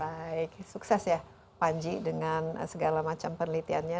baik sukses ya panji dengan segala macam penelitiannya